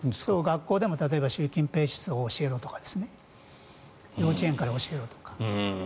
学校でも例えば習近平思想を教えろとか幼稚園から教えろとか。